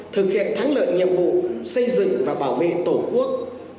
thực hiện thắng lợi nhiệm vụ xây dựng và bảo vệ tổ quốc